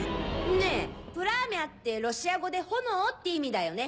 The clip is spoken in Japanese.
ねぇプラーミャってロシア語で炎って意味だよね。